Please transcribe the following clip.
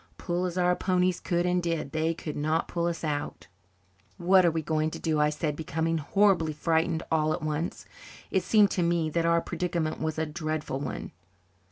Pull as our ponies could and did, they could not pull us out. "What are we to do?" I said, becoming horribly frightened all at once. It seemed to me that our predicament was a dreadful one.